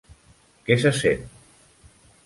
Què se sent?